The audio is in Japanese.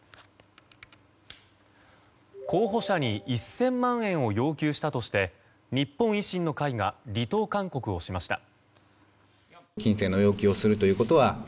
候補者に１０００万円を要求したとして日本維新の会が離党勧告をしました。